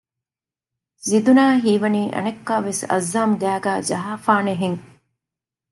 ޒިދުނާ ހީވަނީ އަނެއްކާވެސް އައްޒާމް ގައިގައި ޖަހައިފާނެހެން